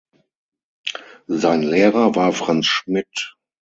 Sein Lehrer war Franz Schmidt.